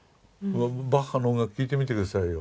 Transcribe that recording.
バッハの音楽聞いてみて下さいよ。